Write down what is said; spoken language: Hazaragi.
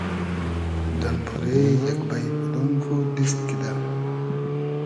دئمبورې یئگ بݷ بودۉن خو دیست کیدۂ